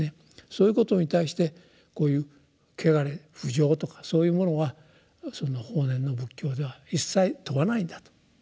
そういうことに対してこういう穢れ不浄とかそういうものは法然の仏教では一切問わないんだと。